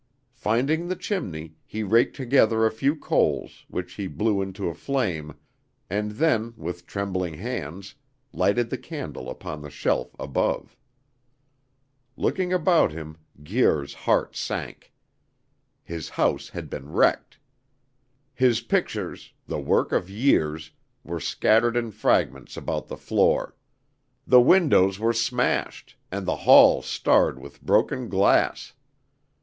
Finding the chimney, he raked together a few coals, which he blew into a flame, and then, with trembling hands, lighted the candle upon the shelf above. Looking about him, Guir's heart sank. His house had been wrecked. His pictures, the work of years, were scattered in fragments about the floor. The windows were smashed, and the hall starred with broken glass.